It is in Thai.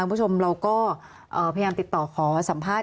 คุณผู้ชมเราก็พยายามติดต่อขอสัมภาษณ